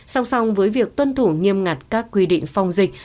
song song với việc tuân thủ nghiêm ngặt các quy định phòng dịch